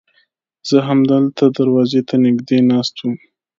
زه همدلته دروازې ته نږدې ناست وم.